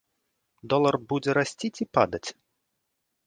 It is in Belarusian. Долар будзе расці ці падаць?